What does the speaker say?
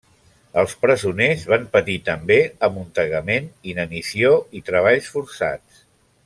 Els presoners van patir també amuntegament, inanició i treballs forçats.